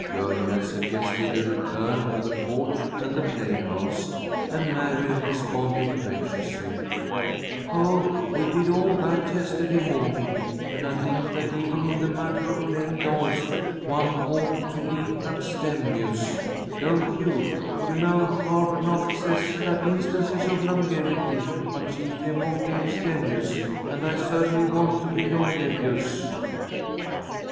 Girlie had suggested a return to the porch and the play house, and Mary responded, graciously: [Illustration: "A TALL, ATHLETIC FIGURE IN OUTING FLANNELS"] "Oh, we did all that yesterday morning, and I think that even in the matter of playing dolls one ought to be abstemious. Don't you? You know Arbuthnot says that 'instances of longevity are chiefly among the abstemious,' and I certainly want to be longevous."